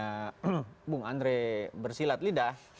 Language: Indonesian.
karena bung andri bersilat lidah